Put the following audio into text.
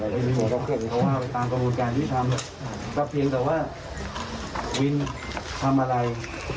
เพราะว่าตามกรุงการที่ทำก็เพียงแต่ว่าวินทร์ทำอะไร